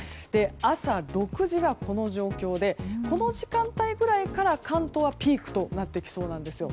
朝６時がこの状況でこの時間帯ぐらいから関東はピークとなってきそうなんです。